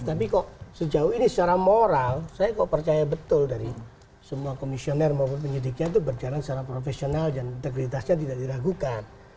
tapi kok sejauh ini secara moral saya kok percaya betul dari semua komisioner maupun penyidiknya itu berjalan secara profesional dan integritasnya tidak diragukan